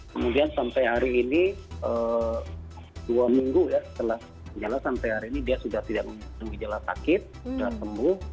kemudian sampai hari ini dua minggu ya setelah gejala sampai hari ini dia sudah tidak memiliki gejala sakit sudah sembuh